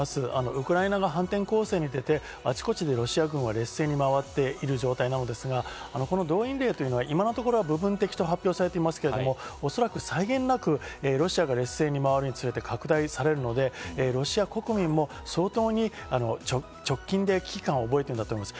ウクライナの反転攻勢に出て、あちこちでロシア軍は劣勢に回ってる状態なのですが、この動員令というのは、今のところ部分的と発表されていますけれども、おそらく際限なく、ロシアが劣勢にまわるにつれて拡大されるのでロシア国民も相当に直近で危機感を覚えていると思います。